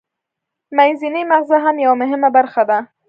منځنی مغزه هم یوه مهمه برخه ده